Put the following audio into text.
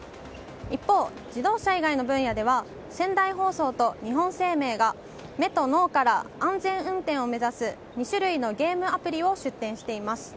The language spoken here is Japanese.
一方、自動車以外の分野では仙台放送と日本生命が目と脳から安全運転を目指す２種類のゲームアプリを出展しています。